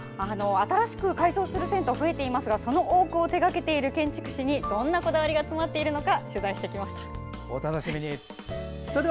新しく改装する銭湯が増えていますがその多くを手がけている建築士にどんなこだわりが詰まっているのか